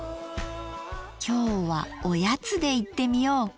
今日はおやつでいってみよう！